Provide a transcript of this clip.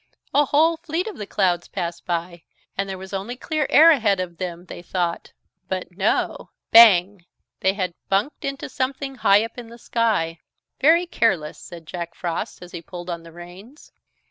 A whole fleet of the clouds passed by and there was only clear air ahead of them, they thought, but no! "Bang." They had bunked into something high up in the sky. "Very careless," said Jack Frost, as he pulled on the reins.